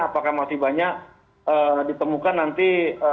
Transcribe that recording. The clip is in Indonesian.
apakah masih banyak ditemukan nanti